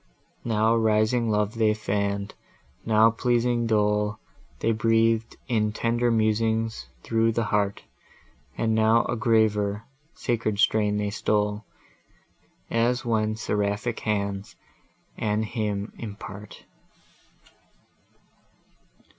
Now rising love they fann'd, now pleasing dole They breath'd in tender musings through the heart; And now a graver, sacred strain they stole, As when seraphic hands a hymn impart!